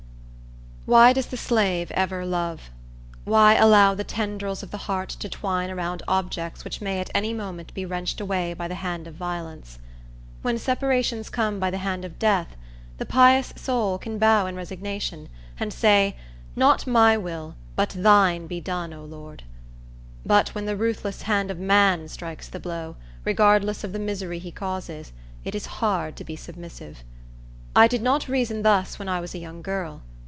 Why does the slave ever love? Why allow the tendrils of the heart to twine around objects which may at any moment be wrenched away by the hand of violence? When separations come by the hand of death, the pious soul can bow in resignation, and say, "Not my will, but thine be done, O Lord!" But when the ruthless hand of man strikes the blow, regardless of the misery he causes, it is hard to be submissive. I did not reason thus when I was a young girl.